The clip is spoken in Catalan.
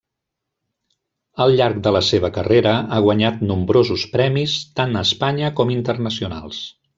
Al llarg de la seva carrera ha guanyat nombrosos premis tant a Espanya com Internacionals.